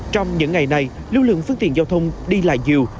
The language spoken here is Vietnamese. trong những ngày này lưu lượng phương tiện giao thông đi lại nhiều